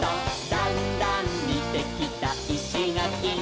「だんだんにてきたいしがきに」